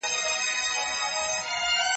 نجلۍ په ډېر ادب سره لاره راکړه.